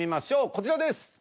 こちらです。